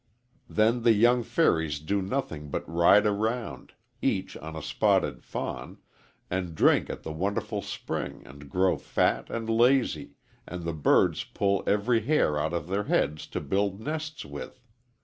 Then the young fairies do nothing but ride around each on a spotted fawn and drink at the wonderful spring and grow fat and lazy, and the birds pull every hair out of their heads to build nests with.